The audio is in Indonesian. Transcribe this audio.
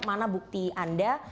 mana bukti anda